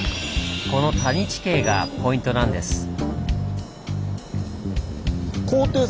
この谷地形がポイントなんです。